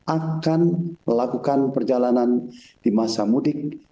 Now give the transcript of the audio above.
akan melakukan perjalanan di masa mudik